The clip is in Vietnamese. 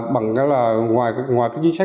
bằng cái là ngoài cái chính sách là phát triển